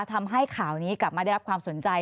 ทำให้ข่าวนี้กลับมาได้รับความสนใจ